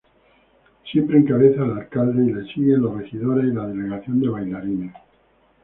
Siempre encabeza el alcalde y le siguen los regidores y la delegación de bailarines.